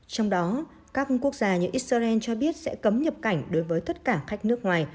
trong đó các quốc gia như israel cho biết sẽ cấm nhập cảnh đối với tất cả khách nước ngoài